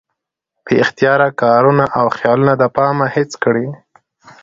بې اختياره کارونه او خيالونه د پامه هېڅ کړي